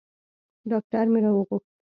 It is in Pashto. ډاکتر مې راوغوښت.